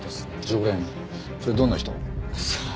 それどんな人？さあ？